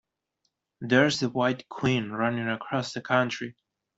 There’s the White Queen running across the country!